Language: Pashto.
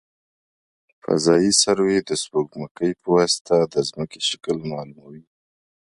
فضايي سروې د سپوږمکۍ په واسطه د ځمکې شکل معلوموي